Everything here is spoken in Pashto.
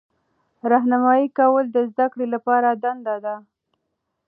راهنمایي کول د زده کړې لپاره دنده ده.